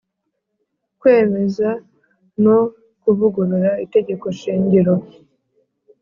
Kwemeza no kuvugurura Itegeko shingiro